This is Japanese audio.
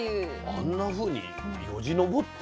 あんなふうによじ登って？